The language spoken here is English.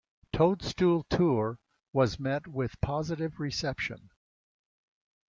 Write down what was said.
"Toadstool Tour" was met with positive reception.